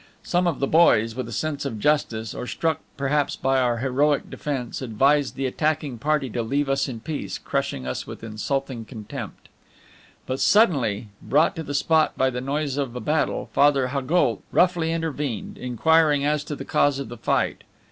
Some of the boys, with a sense of justice, or struck perhaps by our heroic defence, advised the attacking party to leave us in peace, crushing us with insulting contempt. But suddenly, brought to the spot by the noise of a battle, Father Haugoult roughly intervened, inquiring as to the cause of the fight.